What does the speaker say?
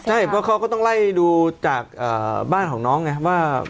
ใช่เพราะเขาก็ต้องไล่ดูจากบ้านของน้องไงว่า